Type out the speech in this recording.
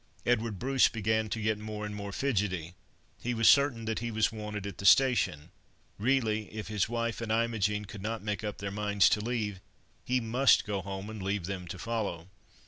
Edward Bruce began to get more and more fidgety—he was certain that he was wanted at the station; really, if his wife and Imogen could not make up their minds to leave, he must go home and leave them to follow.